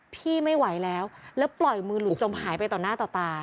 พี่ไม่ไหวแล้วแล้วปล่อยมือหลุดจมหายไปต่อหน้าต่อตา